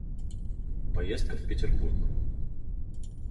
Поездка в Петербург.